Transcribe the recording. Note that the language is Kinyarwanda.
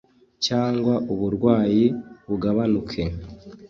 cyangwa uburwayi bugabanuke